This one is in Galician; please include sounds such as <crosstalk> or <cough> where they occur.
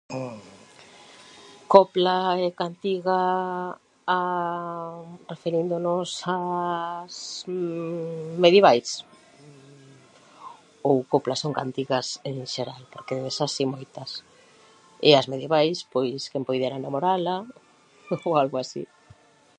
Copla e cantiga <hesitation> referíndonos as medievais? Ou coplas e cantigas en xeral? Porque desas sei moitas e as medievais, pois quen puidera namorala ou algo así.